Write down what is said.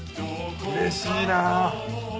うれしいな！